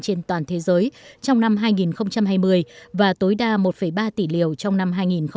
trên toàn thế giới trong năm hai nghìn hai mươi và tối đa một ba tỷ liều trong năm hai nghìn hai mươi một